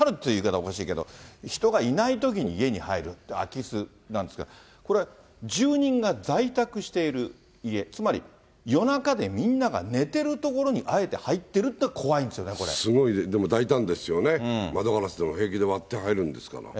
おかしいけど、人がいないときに家に入る空き巣なんですけど、これ、住人が在宅している家、つまり夜中でみんなが寝てる所に、あえて入ってるって、怖いんですすごい、でも大胆ですよね、窓ガラスでも平気で割って入るんですから。